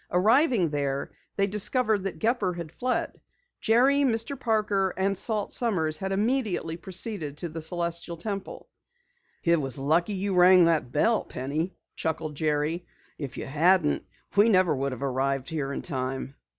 Arriving there, they discovered that Gepper had fled. Jerry, Mr. Parker, and Salt Sommers had immediately proceeded to the Celestial Temple. "It was lucky you rang that bell, Penny," chuckled Jerry. "If you hadn't, we never would have arrived here in time."